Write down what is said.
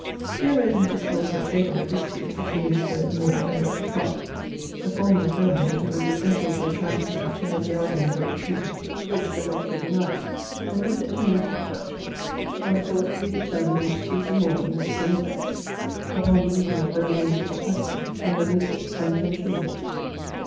Here rose in discourse at table a dispute between Mr. Moore and Dr. Clerke, the former affirming that it was essential to a tragedy to have the argument of it true, which the Doctor denied, and left it to me to be judge, and the cause to be determined next Tuesday morning at the same place, upon the eating of the remains of the pasty, and the loser to spend 10s.